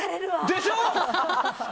でしょ！？